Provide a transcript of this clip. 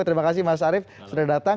terima kasih mas arief sudah datang